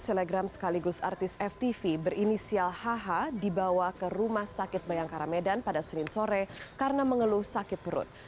selegram sekaligus artis ftv berinisial hh dibawa ke rumah sakit bayangkara medan pada senin sore karena mengeluh sakit perut